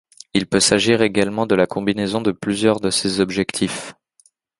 Il peut s'agir également de la combinaison de plusieurs de ces objectifs.